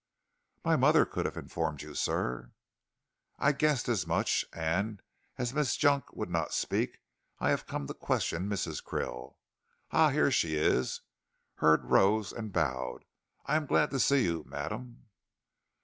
"My mother could have informed you, sir." "I guessed as much, and, as Miss Junk would not speak, I have come to question Mrs. Krill. Ah, here she is." Hurd rose and bowed. "I am glad to see you, madam."